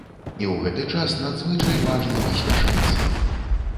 І ў гэты час надзвычай важна не спяшацца.